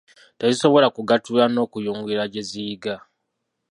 Tezisobola kugattulula n'okuyungulula kye ziyiga.